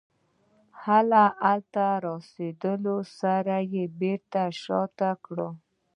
هلته له رسېدو سره یې بېرته شاتګ وکړ.